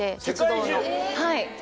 はい。